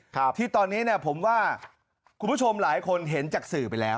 ครับที่ตอนนี้เนี่ยผมว่าคุณผู้ชมหลายคนเห็นจากสื่อไปแล้ว